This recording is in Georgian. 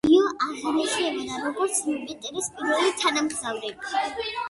იო აღინიშნებოდა, როგორც იუპიტერის პირველი თანამგზავრი.